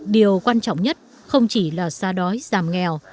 điều quan trọng nhất không chỉ là xóa đói giảm nghèo